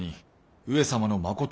上様のまこと。